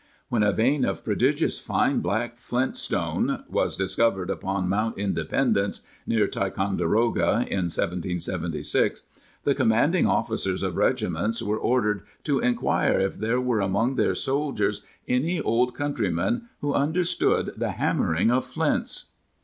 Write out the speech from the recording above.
When "a vein of prodigious fine black flint stone " was discovered upon Mount Independence (near Ti conderoga) in 1776, the commanding officers of regiments were ordered to inquire if there were among their soldiers any old countrymen who understood the hammering of flints.